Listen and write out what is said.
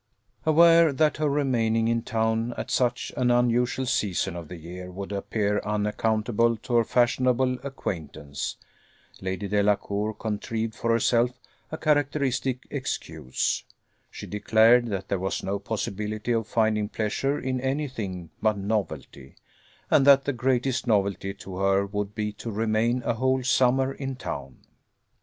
Aware that her remaining in town at such an unusual season of the year would appear unaccountable to her fashionable acquaintance, Lady Delacour contrived for herself a characteristic excuse; she declared that there was no possibility of finding pleasure in any thing but novelty, and that the greatest novelty to her would be to remain a whole summer in town.